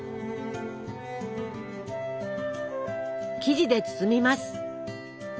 生地で包みます。